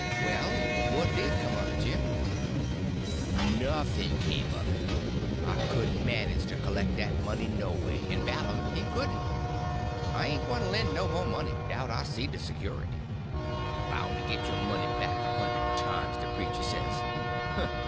"Well, what did come of it, Jim?" "Nuffn never come of it. I couldn' manage to k'leck dat money no way; en Balum he couldn'. I ain' gwyne to len' no mo' money 'dout I see de security. Boun' to git yo' money back a hund'd times, de preacher says!